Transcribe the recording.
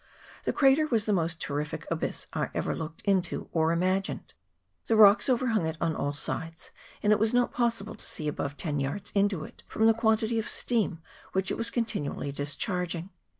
The crater was the most terrific abyss I ever looked into or imagined. The rocks overhung it on all sides, and it was not possible to see above ten yards into it, from the quantity of steam which it was continually discharging.